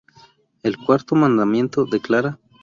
El cuarto mandamiento declara.